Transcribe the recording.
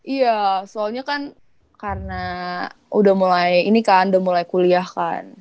iya soalnya kan karena udah mulai ini kan udah mulai kuliah kan